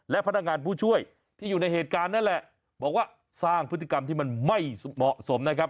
และพนักงานผู้ช่วยที่อยู่ในเหตุการณ์นั่นแหละบอกว่าสร้างพฤติกรรมที่มันไม่เหมาะสมนะครับ